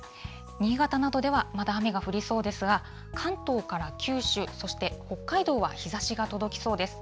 新潟などではまだ雨が降りそうですが、関東から九州、そして北海道は日ざしが届きそうです。